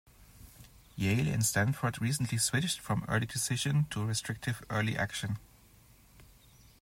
Yale and Stanford recently switched from early decision to restrictive early action.